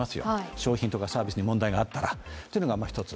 商品とかサービスに問題があったら、というのが一つ。